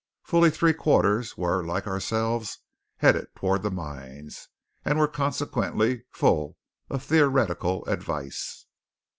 Fully three quarters were, like ourselves, headed toward the mines; and were consequently full of theoretical advice.